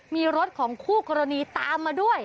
มีรถของคู่กรณีตามมาด้วย